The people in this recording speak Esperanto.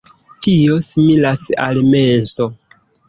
Tio similas al menso.